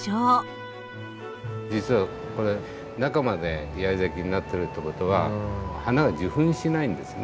実はこれ中まで八重咲きになってるって事は花が受粉しないんですね。